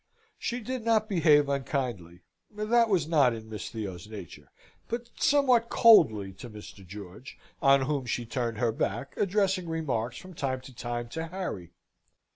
She did not behave unkindly that was not in Miss Theo's nature but somewhat coldly to Mr. George, on whom she turned her back, addressing remarks, from time to time, to Harry.